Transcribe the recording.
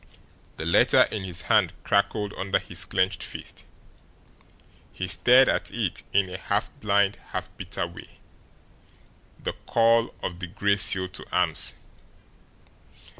The letter in his hand crackled under his clenched fist. He stared at it in a half blind, half bitter way. The call of the Gray Seal to arms!